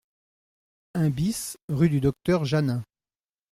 un BIS rue du Docteur Jeannin